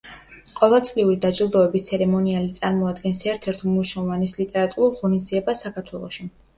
ყოველწლიური დაჯილდოების ცერემონიალი წარმოადგენს ერთ-ერთ უმნიშვნელოვანეს ლიტერატურულ ღონისძიებას საქართველოში.